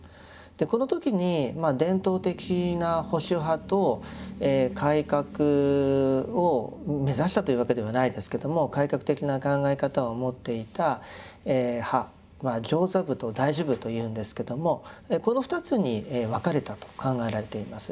この時に伝統的な保守派と改革を目指したというわけではないですけど改革的な考え方を持っていた派上座部と大衆部というんですけどもこの２つに分かれたと考えられています。